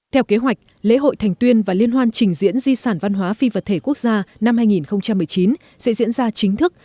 theo kế hoạch lễ hội thành tuyên và liên hoan trình diễn di sản văn hóa phi vật thể quốc gia năm hai nghìn một mươi chín sẽ diễn ra chính thức